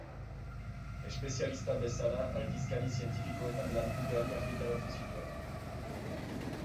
Espezialista bezala aldizkari zientifikoetan lan ugari argitaratu zituen.